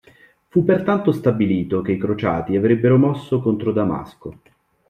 Fu pertanto stabilito che i crociati avrebbero mosso contro Damasco.